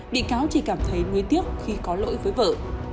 bị cáo chỉ cảm thấy nguy tiếc khi có lỗi với vợ